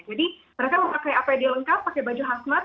jadi mereka memakai apd lengkap pakai baju khas mat